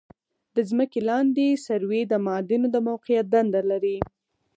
د ځمکې لاندې سروې د معادنو د موقعیت دنده لري